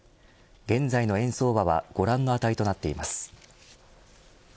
現在の円相場はご覧の値となっています。